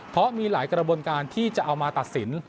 เพราะมีหลายกระบวนการที่จะเอามาตัดสิน